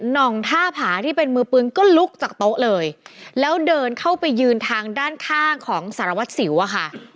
น่องท่าผาที่เป็นมือปืนก็ลุกจากโต๊ะเลยแล้วเดินเข้าไปยืนทางด้านข้างของสารวัตรสิวอะค่ะ